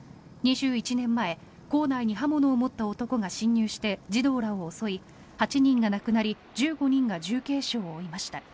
２１年前校内に刃物を持った男が侵入して児童らを襲い、８人が亡くなり１５人が重軽傷を負いました。